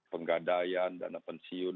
penggadaian dana pensiun